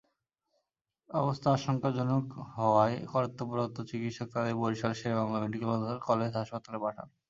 অবস্থা আশঙ্কাজনক হওয়ায় কর্তব্যরত চিকিত্সক তাদের বরিশাল শেরেবাংলা মেডিকেল কলেজ হাসপাতালে পাঠান।